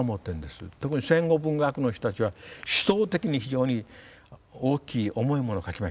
特に戦後文学の人たちは思想的に非常に大きい重いものを書きました。